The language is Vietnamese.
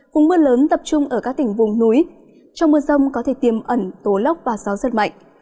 cùng mưa lớn tập trung ở các tỉnh vùng núi trong mưa rông có thể tiêm ẩn tố lốc và gió rất mạnh